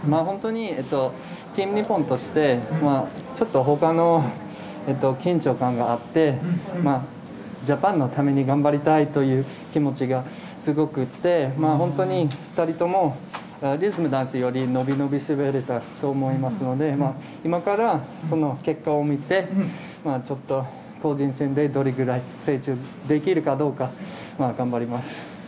本当にチーム日本としてちょっとほかの緊張感があってジャパンのために頑張りたいという気持ちがすごくて本当に２人ともリズムダンスより伸び伸び滑れたと思いますので今からその結果を見てちょっと個人戦でどれぐらい成長できるかどうか頑張ります。